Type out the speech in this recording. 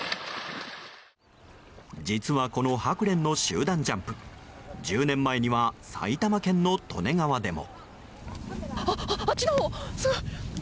実はこのハクレンの集団ジャンプ１０年前には埼玉県の利根川でも。